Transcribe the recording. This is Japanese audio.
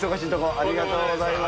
ありがとうございます。